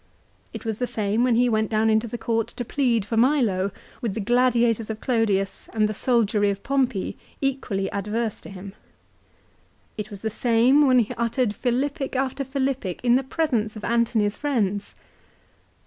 It was the same when he went down into the court to plead for Milo, with the gladiators of Clodius and the soldiery of Pompey equally adverse to him. It was the same when he uttered Philippic after Philippic in the presence of Antony's friends.